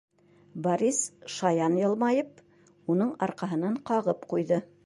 Борис, шаян йылмайып, уның арҡаһынан ҡағып ҡуйҙы: